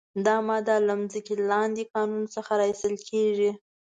دا ماده له ځمکې لاندې کانونو څخه را ایستل کیږي.